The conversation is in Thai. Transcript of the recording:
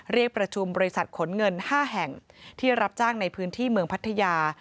เรียกประชุมบริษัทขนเงิน๕แห่งที่รับจ้างในพื้นที่เมืองพัทยา